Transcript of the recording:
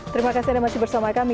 terima kasih anda masih bersama kami